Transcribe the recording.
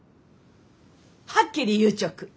はっきり言うちょく！